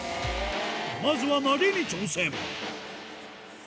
まずは投げに挑戦。